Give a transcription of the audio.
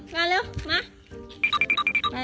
มาเร็วมา